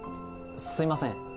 すいません